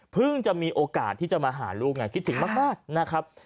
จะมีโอกาสที่จะมาหาลูกไงคิดถึงมากนะครับ